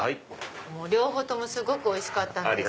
両方すごくおいしかったです。